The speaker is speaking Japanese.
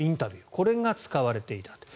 これが使われていたと。